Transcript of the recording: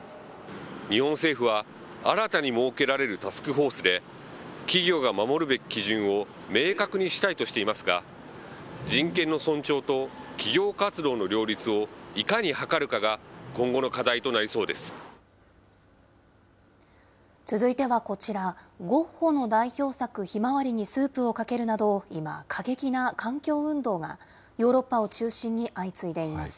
日本政府は、新たに設けられるタスクフォースで、企業が守るべき基準を明確にしたいとしていますが、人権の尊重と企業活動の両立をいかに図るかが今後の課題となりそ続いてはこちら、ゴッホの代表作、ひまわりにスープをかけるなど、今、過激な環境運動がヨーロッパを中心に相次いでいます。